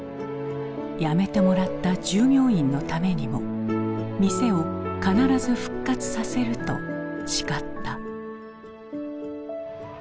辞めてもらった従業員のためにも店を必ず復活させると誓った。